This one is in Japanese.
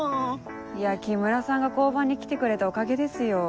いや木村さんが交番に来てくれたおかげですよ。